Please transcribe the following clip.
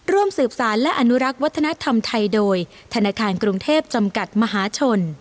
ร่วมสืบสารและอนุรักษ์วัฒนธรรมไทยโดยธนาคารกรุงเทพจำกัดมหาชน